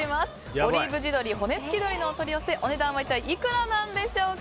オリーブ地鶏骨付鶏のお取り寄せお値段は一体いくらなんでしょうか。